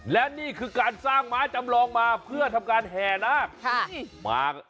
และนี่คือการสร้างม้าจำลองมาเพื่อทำการแห่นาค